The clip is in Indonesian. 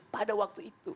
pada waktu itu